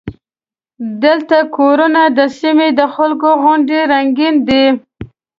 دلته کورونه د سیمې د خلکو غوندې رنګین دي.